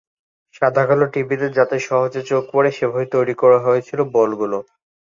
সাদা-কালো টিভিতে যাতে সহজে চোখে পড়ে সেভাবেই তৈরি হয়েছিল বলগুলো।